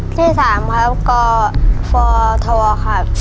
ที่สามครับก๔ทวครับ